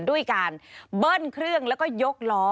ด้วยการเบิ้ลเครื่องแล้วก็ยกล้อ